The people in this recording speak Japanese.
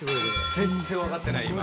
全然分かってない今。